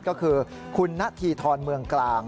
ก็คือคุณณฑีทรเมืองกลาง